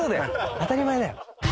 当たり前だよ。